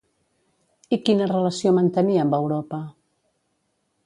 I quina relació mantenia amb Europa?